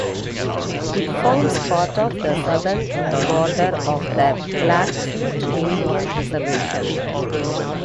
It forms part of the southern border of the Blackfeet Indian Reservation.